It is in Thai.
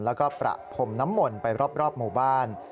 แล้วก็ประพรมน้ำมนต์ไปรอบหมู่บ้าน